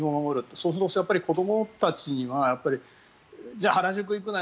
そうすると子どもたちにはじゃあ、原宿行くなよ